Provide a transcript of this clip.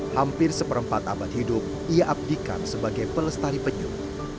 hampir seperempat abad hidup ia abdikan sebagai pelestari penyuh